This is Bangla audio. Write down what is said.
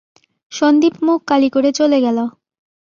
সন্দীপ মুখ কালি করে চলে গেল।